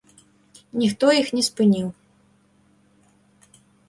Ніхто іх не спыніў.